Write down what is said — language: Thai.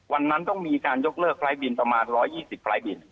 วันนั้นต้องมีการยกเลิกไฟล์บินประมาณ๑๒๐ไฟล์บิน